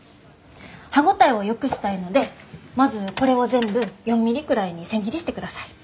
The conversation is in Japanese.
歯応えをよくしたいのでまずこれを全部４ミリくらいに千切りしてください。